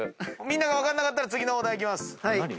分かんなかったら次のお題いきます。